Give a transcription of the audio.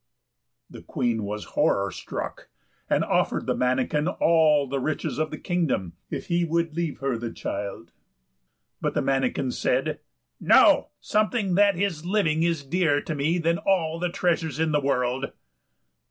The Queen was horror struck, and offered the manikin all the riches of the kingdom if he would leave her the child. But the manikin said, "No, something that is living is dearer to me than all the treasures in the world."